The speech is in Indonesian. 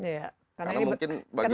ya karena mungkin bagi warga